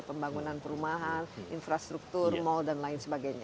pembangunan perumahan infrastruktur mal dan lain sebagainya